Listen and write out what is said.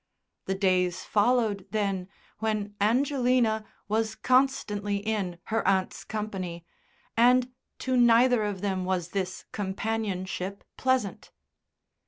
The days followed, then, when Angelina was constantly in her aunt's company, and to neither of them was this companionship pleasant.